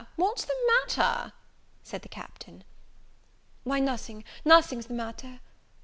what's the matter?" said the Captain. "Why nothing nothing's the matter.